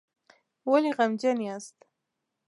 ولې غمجن یاست؟